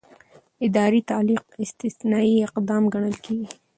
اداري تعلیق استثنايي اقدام ګڼل کېږي.